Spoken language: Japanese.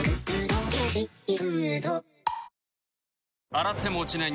洗っても落ちない